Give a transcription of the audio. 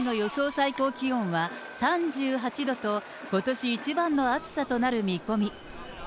最高気温は３８度と、ことし一番の暑さとなる見込み。